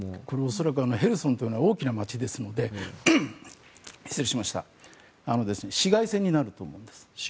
恐らくヘルソンというのは大きな街ですので市街戦になると思うんです。